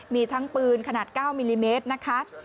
มีทั้งปืนขนาด๙มิลลิเมตรนะคะ